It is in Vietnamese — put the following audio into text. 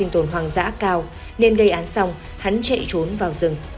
tồn hoang dã cao nên gây án xong hắn chạy trốn vào rừng